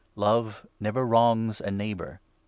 Love never wrongs a neighbour.